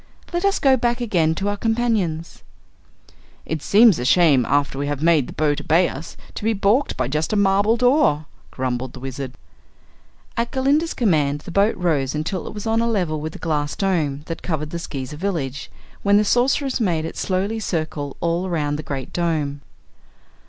Let us go back again to our companions." "It seems a shame, after we have made the boat obey us, to be balked by just a marble door," grumbled the Wizard. At Glinda's command the boat rose until it was on a level with the glass dome that covered the Skeezer village, when the Sorceress made it slowly circle all around the Great Dome.